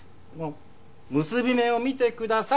結び目を見てください。